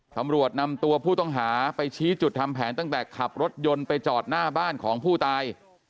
ตำรวจนำตัวผู้ต้องหาไปชี้จุดทำแผนตั้งแต่ขับรถยนต์ไปจอดหน้าบ้านของผู้ตาย